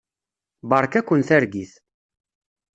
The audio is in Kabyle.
Beṛka-ken targit.